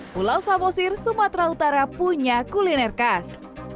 pulau samosir sumatera utara punya kuliner khas